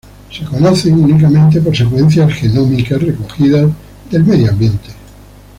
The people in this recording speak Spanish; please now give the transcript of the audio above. Se conocen únicamente por secuencias genómicas recogidas del medio ambiente.